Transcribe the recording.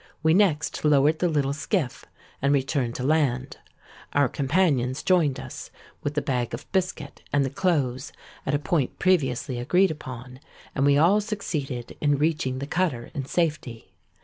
We next lowered the little skiff, and returned to land. Our companions joined us, with the bag of biscuit and the clothes, at a point previously agreed upon; and we all succeeded in reaching the cutter in safety.